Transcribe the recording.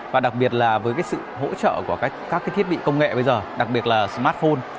và đặc biệt là với cái sự hỗ trợ của các thiết bị công nghệ bây giờ đặc biệt là smartphone